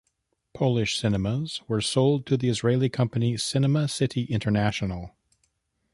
Polish cinemas were sold to the Israeli company Cinema City International.